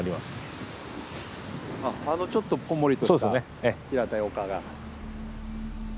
あっあのちょっとこんもりとした平たい丘が。